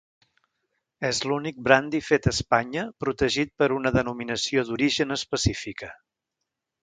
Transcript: És l'únic brandi fet a Espanya protegit per una denominació d'origen específica.